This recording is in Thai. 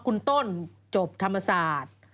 คุณต้นจบธรรมศาสตร์